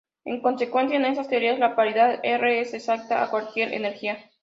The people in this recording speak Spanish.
En consecuencia, en estas teorías la paridad R es exacta a cualquier energía.